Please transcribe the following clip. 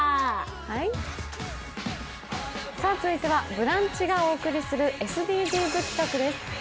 続いてはブランチがお送りするＳＤＧｓ企画です。